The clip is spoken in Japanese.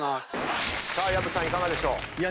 さあ薮さんいかがでしょう？